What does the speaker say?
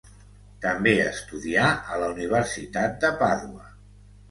També estudià a la Universitat de Pàdua.